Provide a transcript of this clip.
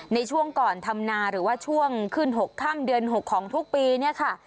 ในช่วงก่อนทำนาหรือว่าช่วงขึ้น๖ค่ำเดือน๖ของทุกปีเนี่ยค่ะ